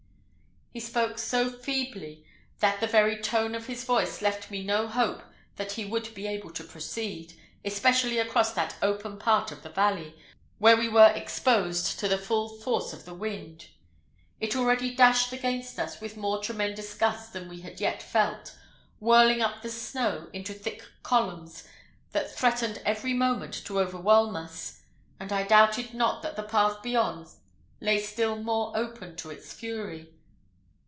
He spoke so feebly, that the very tone of his voice left me no hope that he would be able to proceed, especially across that open part of the valley, where we were exposed to the full force of the wind. It already dashed against us with more tremendous gusts than we had yet felt, whirling up the snow into thick columns that threatened every moment to overwhelm us, and I doubted not that the path beyond lay still more open to its fury.